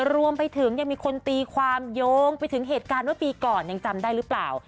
รวมไปถึงยังมีคนตีความโยงไปถึงเหตุการณ์ว่าปีก่อนยังจำได้หรือเปล่า